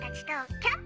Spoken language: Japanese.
キャンプ！